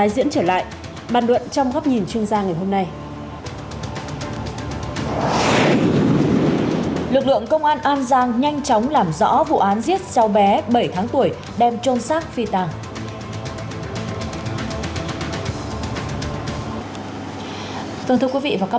xin chào và hẹn gặp lại